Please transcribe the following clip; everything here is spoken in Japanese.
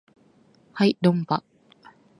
はい論破